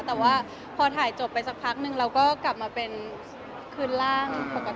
แต่ว่าพอถ่ายจบไปสักพักนึงเราก็กลับมาเป็นคืนร่างปกติ